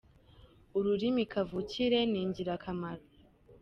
Ururimi kavukire ni ingirakamaro.